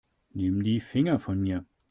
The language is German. Nimm die Finger von mir.